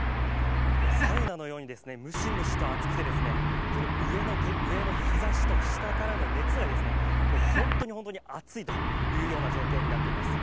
サウナのようにムシムシと暑くて上の日ざしと下からの熱が本当に本当に暑いというような状況になっています。